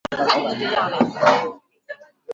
相当动人